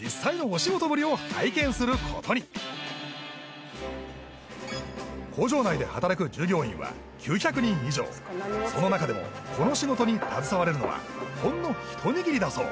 実際のお仕事ぶりを拝見することに工場内で働く従業員は９００人以上その中でもこの仕事に携われるのはほんの一握りだそう